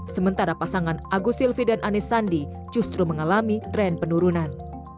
sementara pasangan agus silvi dan anies sandi justru mengalami tren penurunan